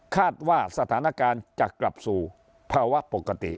คาดว่าสถานการณ์จะกลับสู่ภาวะปกติ